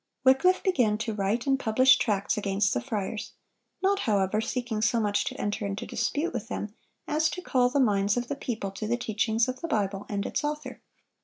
Wycliffe began to write and publish tracts against the friars, not, however, seeking so much to enter into dispute with them as to call the minds of the people to the teachings of the Bible and its Author.